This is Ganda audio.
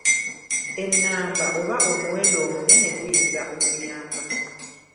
Ennamba oba omuwendo omunene guyinza okuyamba.